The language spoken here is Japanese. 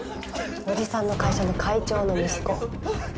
おじさんの会社の会長の息子。